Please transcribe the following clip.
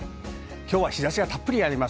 今日は日差しがたっぷりあります。